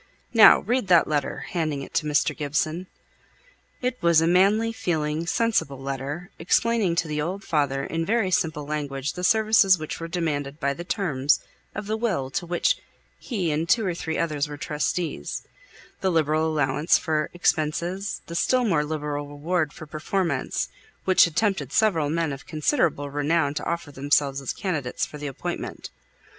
Now read that letter," handing it to Mr. Gibson. It was a manly, feeling, sensible letter, explaining to the old father in very simple language the services which were demanded by the terms of the will to which he and two or three others were trustees; the liberal allowance for expenses, the still more liberal reward for performance, which had tempted several men of considerable renown to offer themselves as candidates for the appointment.